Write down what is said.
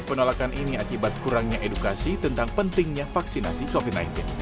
penolakan ini akibat kurangnya edukasi tentang pentingnya vaksinasi covid sembilan belas